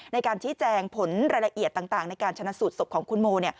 ในการชี้แจงผลรายละเอียดต่างในการชนะสูตรศพของคุณโม